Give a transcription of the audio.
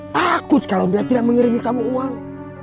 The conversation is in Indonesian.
takut kalau dia tidak mengirimkan uang